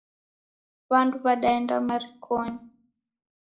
Wandu wadaenda marikonyi